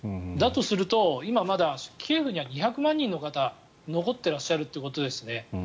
だとすると、今まだキエフには２００万人の方が残っていらっしゃるということですね。